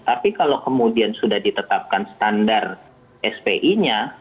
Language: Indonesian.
tapi kalau kemudian sudah ditetapkan standar spi nya